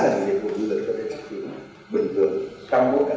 các địa phương khác cũng phải học tập